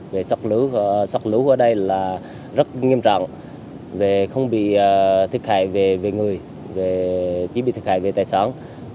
về sọc lũ sọc lũ ở đây là rất nghiêm trọng về không bị thiết hại về người chỉ bị thiết hại về tài sản